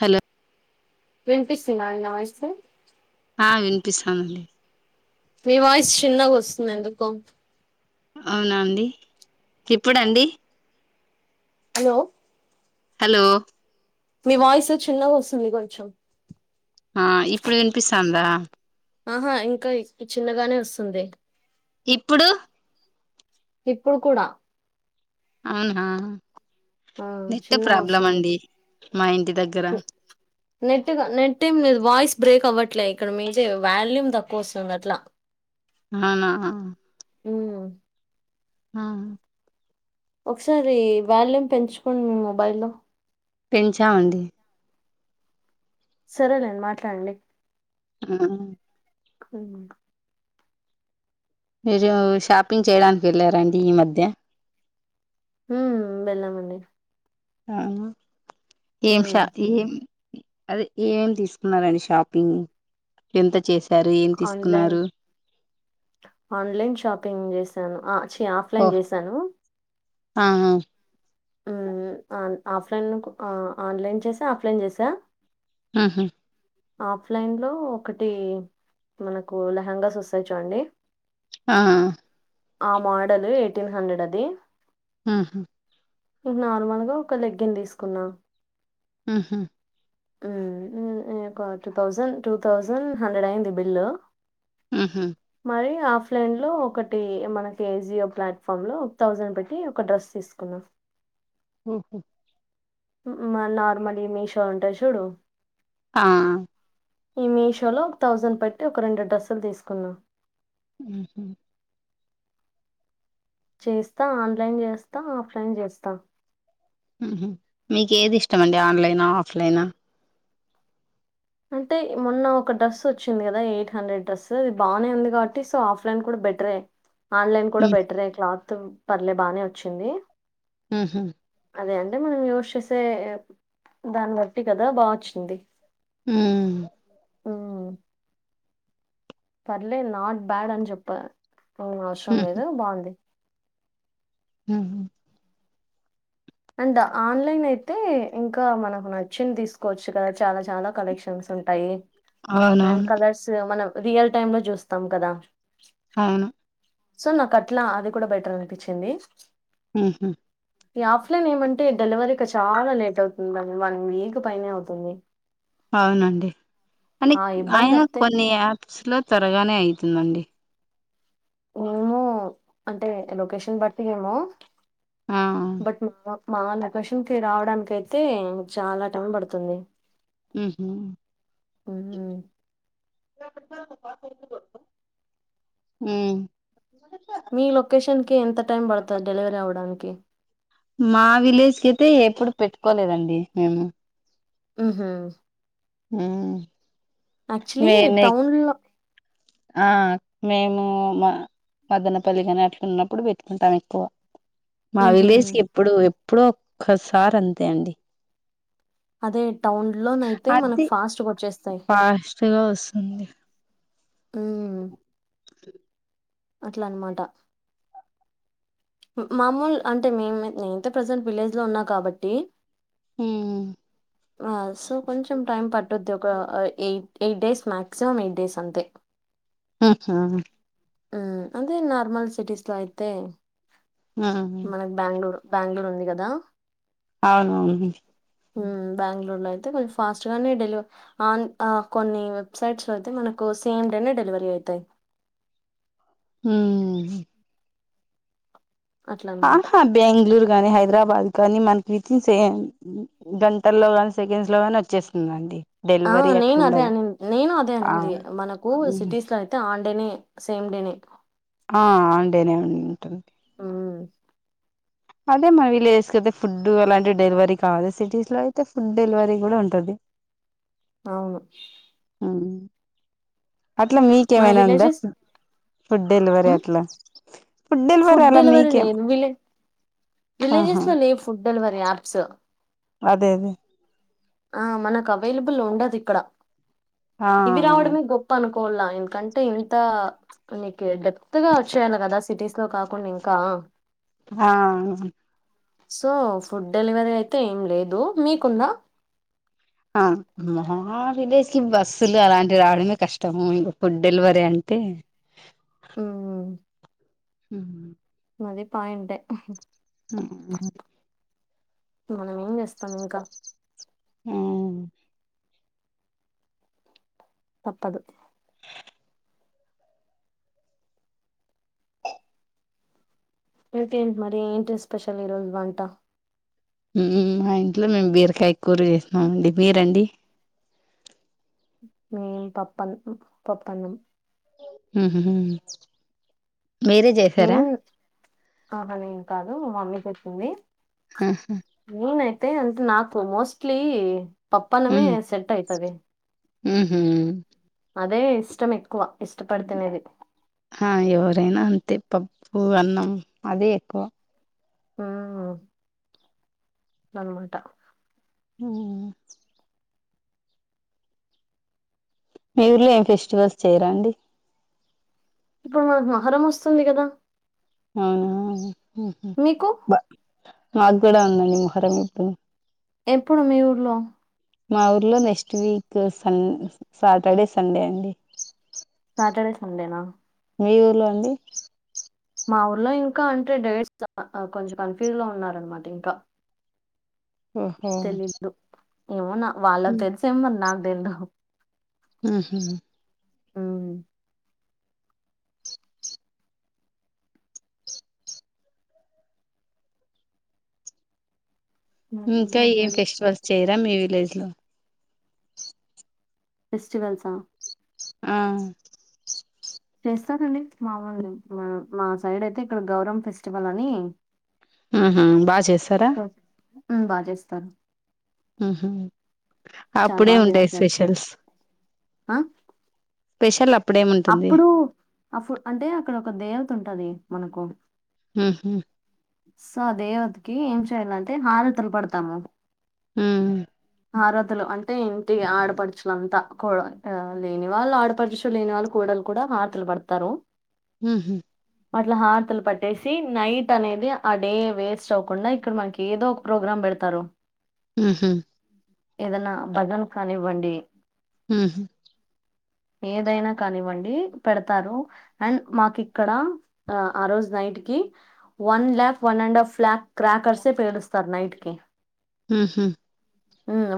Hello. వినిపిస్తుందండి నా voice. ఆ వినిపిస్తుందండి. మీ వాయిస్ చిన్నగా వస్తుంది అండి ఎందుకో. అవునాండి ఇప్పుడండి హలో హలో మీ వాయిస్ చిన్నగొస్తుంది కొంచెం ఆ ఇప్పుడు విన్పిస్తాన్దా ఆహా ఇంక ఇ చిన్నగానే వస్తుంది ఇప్పుడు ఇప్పుడు కూడా అవునా ఆ నెట్ట్ చిన్నగా ప్రాబ్లం వస్తుంది అండి మా ఇంటి దగ్గర నెట్ గాద్ నెట్ ఏం లేదు వాయిస్ బ్రేక్ అవ్వట్ ట్లే ఇక్కడ మీజే వాల్యూమ్ తక్కువొస్తుంది అట్లా అవునా ఉమ్ ఆ ఒకసారి వాల్యూమ్ పెంచుకోండి మీ మొబైల్లో పెంచా అండి సరేలేండి మాట్లాడండి ఆ కన్ మీరు షాపింగ్ చేయడానికి వెళ్ళారా అండి ఈ మధ్య ఉమ్ వెెళ్ళామండి ఆ ఏం షా ఏం అదే ఏమేం తీసుకున్నరండి షాపింగ్ ఎంత చేస్ ఆన్లైన్ ఆన్లైన్ షాపింగ్ జేసాను ఆ చీ ఆఫ్లైన్ చేసాను ఆహ ఉమ్ ఉమ్ ఆన్ ఆఫ్లైన్ క్ ఆ ఆన్లైన్ చేసా ఆఫ్లైన్ చేసా ఉమ్ హ్ ఆఫ్లైన్ లో ఒకటి మనకు లెహెంగాస్ వస్తాయి చూడండి ఆ ఆ మాడల్ ఎయిటీన్ హండ్రెడ్ అది ఉమ్ హ్ ఇగ నార్మల్ గా ఒక లెగ్గిన్ దీసుకున్నా ఉమ్ హ్ ఉమ్ ఉ ఇక two thousand, two thousand hundred అయ్యింది బిల్ ఆహా మరి ఆఫ్ ఫ్లైన్ లో ఒకటి మనకి ఏ జియో ప్లాట్ఫామ్ లో ఒక థౌజండ్ పెట్టి ఒక డ్రెస్ తీసుకున్న ఉమ్ హ్ ఉమ్ ఉ మ నార్మల్ ఈ మీషో ఉంటది చూడు ఆ ఈ మీషో లో ఒక థౌజండ్ పెట్టి ఒక రెండు డ్రస్సులు దీసుకున్న ఉమ్ హ్ చేస్తా ఆన్లైన్ జేస్తా ఆఫ్ లైన్ జేస్తా ఉమ్ హ్ మీకేది ఇష్టమండి ఆన్లైనా, ఆఫ్లైనా అంటే మొన్న ఒక డ్రెస్ వచ్చింది కదా ఎయిట్ హండ్రెడ్ డ్రెస్ అది బానే ఉంది కాబట్టి సో ఆఫ్లైన్ బెటరే ఆన్లైన్ కూడ ఉ బెటరే క్లాత్ పర్లే బానే వచ్చింది ఉ హు అదే అంటే మనం యూస్ చేసే దాన్ని బట్టి కద బా వచ్చింది ఉ హ్మ్. పర్లే నాట్ బ్యాడ్ అని చెప్ప ఆ అవసరం లేదు బాగుంది ఆహ అండ్ ఆన్లైన్ అయితే ఇంక మనకు నచ్చింది తీసుకోవచ్చు కదా చాల చాల కలెక్షన్ ఉంటాయి అండ్ అవునవును కలర్స్ మనం రియల్ టైమ్ లో చూస్తాం కదా అవును సో నాకు అట్ల అది కూడ బెటర్ అనిపించింది ఉ హు ఈ ఆఫ్లైన్ ఏమంటే డెలివరీ చాల లేట్ అవుతుంది వన్ వీక్ పైనే అవుతుంది అవునండి అని ఆ ఇబ్బంది అయినా అత్తే కొన్ని యాప్స్ లో త్వరగానే అయి తుంది అండి ఏమో అంటే లొకేషన్ బట్టి ఏమో ఆ బట్ మా [unintelligible] మాధకాషన్ కి రావడానికి అయితే చాలా టైం పడుతుంది ఉ హు మ్మ్ ఉ మీ లొకేషన్ కి ఎంత టైం పడ్తది డెలివరీ అవ్వడానికి మా విలేజ్ కైతే ఎప్పుడు పెట్టుకోలేదండి మేము ఉ హు ఉ అచ్లీ టౌన్ లో ఆ మేము మ మదనపల్లి కాని అట్లున్నప్పుడు పెట్టుకుంటాం ఎక్కువ మా మ్హూ విలేజీకి ఎప్పుడు ఎప్పుడో ఒక్కసారి అంతే అండి అదే టౌన్ లో నైయితే అది మనకు ఫాస్ట్ గా వచ్చేస్తాయి ఫాస్ట్గా వస్తుంది ఆ అట్ల అనమాట మామోల్ అంటే మేము నేంతే ప్రజెంట్ విలేజ్ లో ఉన్న కాబట్టి ఉ ఆ సో కొంచెం టైం పట్టుద్ది ఒక ఏయ్ eight days maximum eight days అంతే ఆహా ఉ అదే నార్మల్ సిటీస్ లో అయితే మనకి బ్యాంగ్ళూర్ బెంగళూర్ ఉంది కదా అవును ఆ బెంగళూరులో అయితే కొ ఫాస్ట్ గానే డెలవ ఆన్ ఆ కొన్ని వెబ్సైట్స్ లో అయితే మనకు సేమ్ డేనే డలివరీ అయితాయ్ ఊ అట్లా అనమాట. ఆహా [unintelligible] కాని హైదరాబాద్ కానీ మనకి [unintelligible] గంటల్లో నీ సెకండ్స్ లో ని వచ్చేస్తుంది అండి ఆ నేను అదే అనింది నేను అదే ఆ అనింది మనకు సిటీస్ లో అయితే ఆ డెని సేమ్ డేనే ఆ అండేనే ఉంటది ఉమ్ అదే మన వీళ్ళజసుకతే ఫుడ్ అలాంటి డెలివరీ కాదు సిటీస్ లో అయితే ఫుడ్ డెలివరీ కూడా ఉంటది అవును ఉమ్ అట్లా మన మీకేమైనా ఉందా విలేజెస్ ఫుడ్ డెలివరీ హ్మ్. అట్లా ఫుడ్ల్ డిలివరీ అలా మీకేం ఆహా విలేజెస్లో లే ఫుడ్ డెలివరీ యాప్స్ అదే అదే ఆ మనకు అవైలబుల్ ఉండదు ఇక్కడ ఇవి ఆ రావడమే గొప్ప అనుకో పోలా ఎందుకంటే ఇంత నీకు డెప్త్ గా వచ్చేయాలి కదా సిటీస్ లో కాకుండా ఇంకా ఆా సో ఫుడ్ డెలివరీ అయితే ఏం లేదు మీకుందా ఆ హఫీడేస్ క బస్సులు అలాంటివి రావడమే కష్టము ఇంకా ఫుడ్ డెలివరీ అంటే హ ఉమ్ ఉహూ అది పయింటే [unintelligible] మనం ఏం చేస్తాం ఇంకా ఉమ్ తప్పదు ఇంకేంటి మరి ఏంటి స్పెషల్ ఈరోజు వంట హ్మ్ మా ఇంట్లో మేము బీరకాయ కూర చేసినమండి మీరండి మేం పప్పన్ పప్పనం ఉహూ మీరే చేసారా మెయిన్ ఆహా నేం కాదు మా మమ్మీ చెప్పింది నేనై అతే అంటే నాకు మోస్ట్లీ పప్పనమే సెట్ అయితది ఉహూ అదే ఇష్టం ఎక్కువ ఇష్టపడి తినేది ఆ ఎవరైనా అంతే పప్పు అన్నం అదే ఎక్కువ ఆ అమ్మాటా హూ మీ ఊర్లో ఏం ఫెస్టివల్స్ చేయరాండి ఇప్పుడు మనకు మొహరం వస్తుంది కదా అవును ఉహు బ మాకు కూడా ఉందండి మొహరం ఇప్పుడు ఎప్పుడు మీఊర్లో మా ఊర్లో next week sun Saturday Sunday అండి సటర్డే సంండే నా మీ ఊర్లో అండి మా ఊర్లో ఇంకా అంటే డైట్ త కొంచెం కన్ఫ్యూజ్ లో ఉన్నారనమాట ఇంకా ఓహో తెలీదు. ఏమో న వాళ్ళక్ తెలుసేమో మరి నాకు తెల్దు మ్మ్ హ్మ్ మ్మ్ హ్మ్. ఇంకా ఇంకేంటి ఏం మరి? ఫెస్టివల్స్ చేయరా మీ విలేజ్ లో ఫెస్టివల్సా ఆ చేస్తారండి మామూలు మా మా సైడ్ అయితే ఇక్కడ గౌరమ్మ ఫెస్టివల్ అనీ మ్మ్ హ్మ్ బా చేస్తారా మ్మ్ బా చేస్తారు మ్మ్ హ్మ్ చాలా అప్పుడే బా ఉంటాయ్ చేస్తారు. స్పెషల్స్ ఆ! పెషలప్ అప్పుడు అఫు అంటే అక్కడ ఒక దేవత ఉంటది మనకు మ్మ్ హ్మ్ సో ఆ దేవతకి ఏం చేయాలంటే హారతులు పడతాము మ్మ్ హారతులు అంటే ఇంటి ఆడపడుచులంతా కో ఆ లేని వాళ్ళు ఆడపడుచు లేని వాళ్ళ కోడలు కూడా హార్తలు పడతారు మ్మ్ హ్మ్ అట్లా హారతులు పట్టేసి నైట్ అనేది ఆ డే వేస్ట్ అవకుండా ఇక్కడ మనకి ఏదో ఒక ప్రోగ్రామ్ పె డతారు మ్మ్ హ్మ్ ఏదన్నా బగన్ కానీ వండి మ్మ్ హ్మ్ ఏదైనా కానివ్వండి పెడతారు అండ్ మాకు ఇక్కడ ఆ రోజ్ నైట్ కి one lakh one and half lakh క్రాకర్సె పేలుస్తారు నైట్ కి మ్మ్ హ్మ్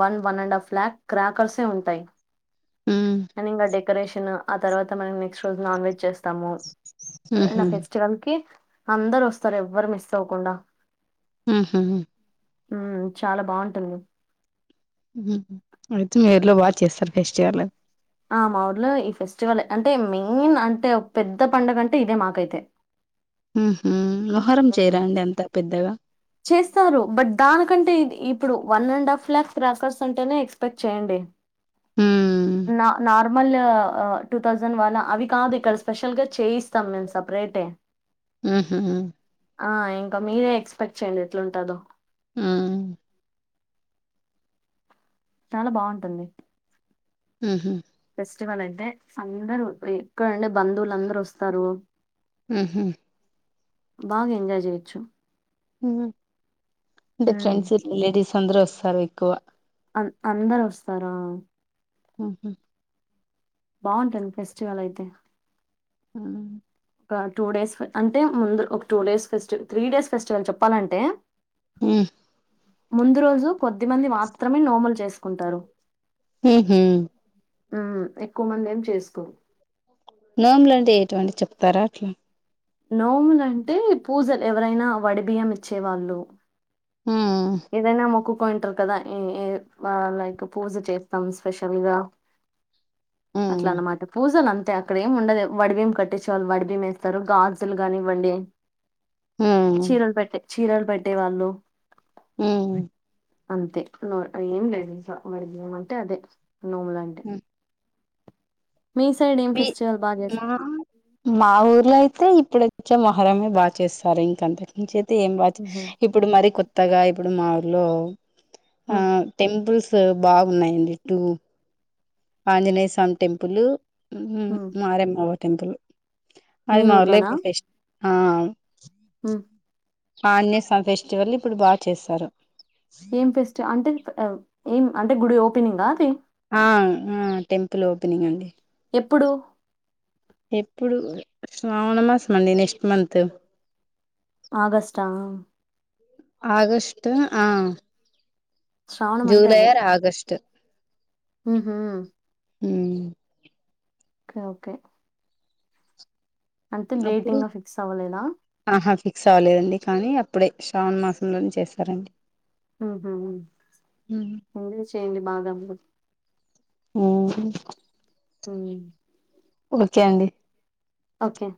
one one and half lakh క్రాకర్సే ఉంటాయ్ ఉమ్ అండ్ ఇంకా డె కరేషన్ ఆ తర్వాత మనం నెక్స్ట్ రోజు నాన్ వెజ్ చేస్తాము అండ్ ఉహు ఆ ఫెస్టివల్ కి అందరు వస్తారు ఎవ్వరు మిస్ అవ్వకుండా మ్మ్ హ్మ్ మ్మ్ చాలా బాగుంటుంది అయితే మీ ఊర్లో బాగా చేస్తారు ఫెస్టివల్ అది ఆ మా ఊర్లో ఈ ఫెస్టివల్ అంటే మెయిన్ అంటే ఒక పెద్ద పండుగ అంటే ఇదే మాకైతే మ్మ్ హ్మ్ మొహర్రం చేయరా ఉమ్. అండి అంత పెద్దగా చేస్తారు బట్ దానికంటే ఇప్పుడు one and half lakh crackers అంటేనే ఎక్స్పెక్ట్ చేయండి ఉమ్ న నార్మల్ టూ థౌసండ్ వన్ అవి కాదు ఇక్కడ స్పెషల్ గా చేయిస్తాం మేము సపరేటే మ్మ్ హ్మ్ ఆ ఇంకా మీరే ఎక్స్పెక్ట్ చేయండి ఎట్లుంటదో మ్మ్ చాలా బాగుంటుంది మ్మ్ హ్మ్ ఫెస్టివల్ అయితే అందరు ఎక్కడుండే బంధువులు అందరు వస్తారు మ్మ్ హ్మ్ బాగ ఎంజాయ్ చేయొచ్చు. అంటే ఉమ్ ఫ్రెండ్స్ లేడీస్ అందరు వస్తారు ఎక్కువ. అం అందరు వస్తారా. ఆహా బావుంటుంది ఫెస్టివల్ అయితే. ఆ ఒక టూ డేస్ ఫే అంటే ముందు ఒక two days festival three days festival చెప్పాలంటే. హ్ ముందు రోజు కొద్ది మంది మాత్రమే నోములు చేసుకుంటారు. హుహ్ హ్ ఎక్కువ మంది ఏం చేసుకోరు. నోములు అంటే ఎటువంటి చెప్తారా అట్లా. నోములంటే పూజలు, ఎవరైనా వడి బియ్యం ఇచ్చేవాళ్ళు ఉమ్ ఏదైనా మొక్కు కుంటరు కదా ఏ ఏ ఆ లైక్ పూజ చేస్తాం స్పెషల్గా. అట్ల ఉమ్ అన్నమాట పూజలు అం తే అక్కడ ఏమి ఉండదు. వడిబియ్యం కట్టించే వాళ్ళు వడిబియ్యం వేస్తరు, గాజులు కానివ్వండి చీరలు పెట్టే చీరలు పెట్టేవాళ్ళు హ్ అంతే నూరు అయి ఏం లేదు తెలుసా వోడి బియ్యం అంటే అదే నోములు అంటే. మీ సైడ్ ఏం మీ ఫెస్టివల్ బాగా మా చేస్తారు మా ఊర్లో అయి యితే ఇప్పుడచ్చే మొహరమే బాగా చేస్తారు ఇంక అంతే, నుంచి అయితే ఏం బాగా మ్హూ. ఇప్పుడు మరి కొ త్తగా ఇప్పుడు మా ఊర్లో ఆ మ్, టెంపుల్స్ స్ బాగున్నాయండి ఇటు, ఆంజనేయ స్వామి టెంపులు మ్. మారే మావ టెంపుల్. అది మీ మా ఊర్లో ఇప్పుడు ఫెష్ ఆ హ్ ఆంజనేయ స్వామి ఫెస్టివల్ ఇప్పుడు బాగాచేస్తారు. ఏం ఫెస్ట్ అంటే అ ఏం అంటే గుడి ఓపెనింగా అది. ఆ ఆ టెంపుల్ ఓపెనింగ్ అండి. ఎప్పుడు? ఎప్పుడు శ్రావణ మాసం అండి నెక్స్ట్ మంత్. ఆగస్టా ఆగస్ట్ ఆ శ్రావణం జూలై ఆర్ ఆగస్ట్. ఉహ్ హ్ ఓకే ఓకే అంతే డేట్ ఇంగా ఫిక్స్ అవ్వలేదా. క్స్అవ్వలేదండి కానీ అప్పుడే శ్రావణ మాసంలోనే చేస్తారండి. ఆహా ఎంజాయ్ చేయ్యండి బాగా మీరు. హుహ్ హ్ ఓకే అండి. ఓకే